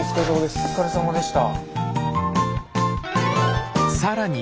お疲れさまでした。